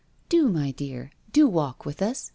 •• Do, my dear — do walk with us.